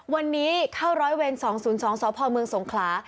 วันนี้เข้าร้อยเวรสองศูนย์ช้อพรเมืองสงคลา